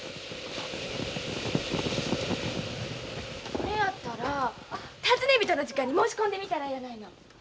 ・それやったら尋ね人の時間に申し込んでみたらええやないの。